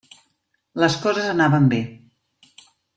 Les coses anaven bé.